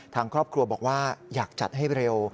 ทางครอบครัวบอกว่าอยากจัดให้เร็ว